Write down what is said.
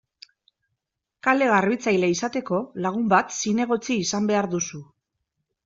Kale-garbitzaile izateko, lagun bat zinegotzi izan behar duzu.